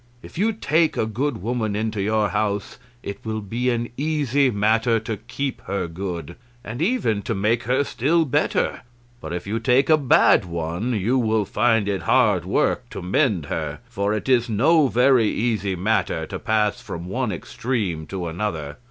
If you take a good woman into your house it will be an easy matter to keep her good, and even to make her still better; but if you take a bad one you will find it hard work to mend her, for it is no very easy matter to pass from one extreme to another.